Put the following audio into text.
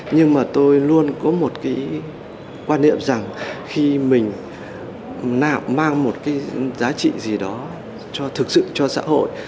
nhưng mà tôi luôn có một cái quan niệm rằng khi mình mang một cái giá trị gì đó cho thực sự cho xã hội